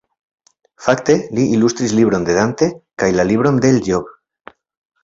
Fakte, li ilustris libron de Dante kaj la libron de Ijob.